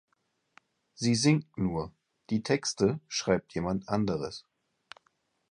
Sie singt nur, die Texte schreibt jemand anderes.